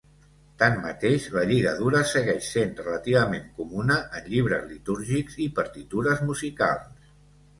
Tanmateix, la lligadura segueix sent relativament comuna en llibres litúrgics i partitures musicals.